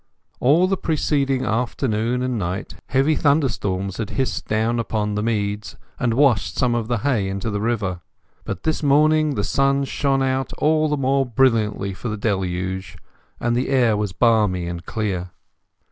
All the preceding afternoon and night heavy thunderstorms had hissed down upon the meads, and washed some of the hay into the river; but this morning the sun shone out all the more brilliantly for the deluge, and the air was balmy and clear.